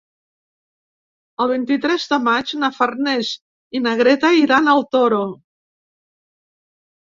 El vint-i-tres de maig na Farners i na Greta iran al Toro.